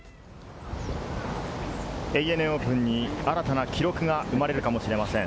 ＡＮＡオープンに新たな記録が生まれるかもしれません。